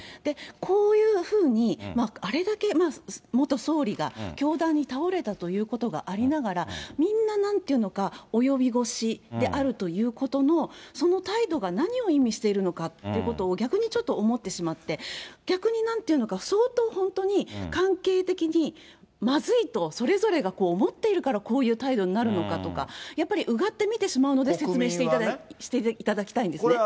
こういうふうにあれだけ元総理が凶弾に倒れたということがありながら、みんななんていうのか及び腰であるということの、その態度が何を意味しているのかっていうことを逆にちょっと思ってしまって、逆になんて言うのか、相当本当に関係的にまずいと、それぞれがこう、思っているからこういう態度になるのかとか、やっぱりうがって見てしまうので説明していただきたいんですね。